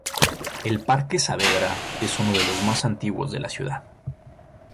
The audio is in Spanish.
El Parque Saavedra es uno de los más antiguos de la ciudad.